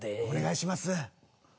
お願いします。